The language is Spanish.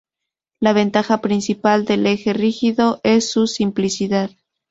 La ventaja principal del eje rígido es su simplicidad.